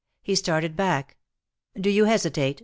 He started back. "Do you hesitate?"